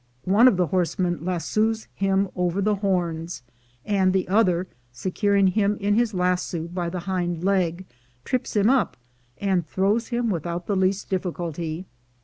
One of the horsemen lassoes him over the horns, and the other, securing him in his lasso by the hind leg, trips him up, and throws him without the least difficulty.